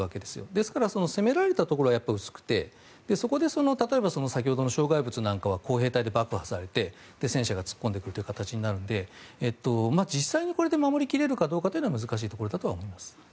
ですから攻められたところは薄くてそこで先ほどの障害物なんかは工兵隊で爆破されて戦車が突っ込んでくるということになりますので、実際これで守り切るということは難しいところだと思います。